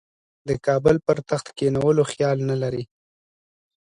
د کابل پر تخت کښېنولو خیال نه لري.